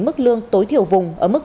mức lương tối thiểu vùng ở mức